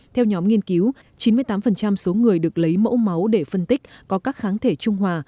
theo nhóm nghiên cứu chín mươi tám số người được lấy mẫu máu để phân tích có các kháng thể trung hòa